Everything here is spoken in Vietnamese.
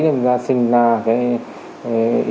nên mình ra sinh ra cái